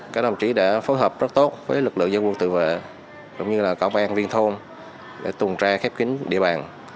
các đồng chí đã phối hợp rất tốt với lực lượng dân quân tự vệ cũng như là công an viên thôn để tùn che kép kín địa bàn